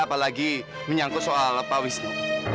apalagi menyangkut soal pak wisnu